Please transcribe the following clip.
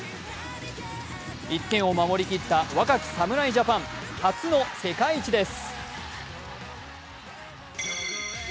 １点を守り切った若き侍ジャパン、初の世界一です。